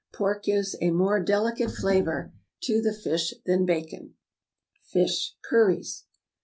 Pork gives a more delicate flavor to the fish than bacon. =Fish Curries.